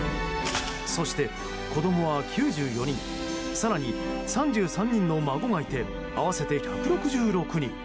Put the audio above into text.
そして、子供は９４人更に、３３人の孫がいて合わせて１６６人。